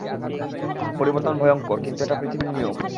পরিবর্তন ভয়ংকর, কিন্তু এটা পৃথিবীর নিয়ম।